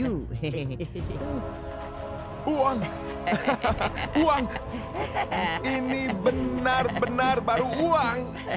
uang hahaha uang ini benar benar baru uang